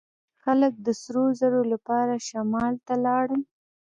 خلک د سرو زرو لپاره شمال ته لاړل.